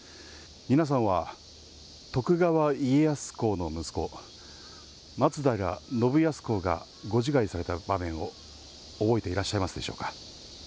皆さんは徳川家康公の息子、松平信康公がご自害された場面を覚えていらっしゃいますでしょうか。